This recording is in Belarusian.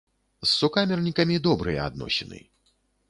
З сукамернікамі добрыя адносіны.